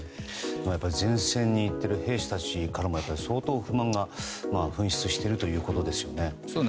前線に行っている兵士たちからも相当、不満が噴出しているということですよね。